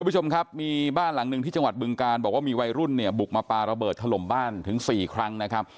คุณผู้ชมครับมีบ้านหลังหนึ่งที่จังหวัดบึงการบอกว่ามีวัยรุ่นเนี่ยบุกมาปลาระเบิดถล่มบ้านถึง๔ครั้งนะครับ